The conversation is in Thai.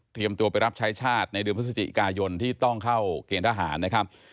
ตัวไปรับใช้ชาติในเดือนพฤศจิกายนที่ต้องเข้าเกณฑ์ทหารนะครับ